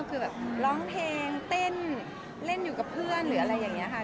คือแบบร้องเพลงเต้นเล่นอยู่กับเพื่อนหรืออะไรอย่างนี้ค่ะ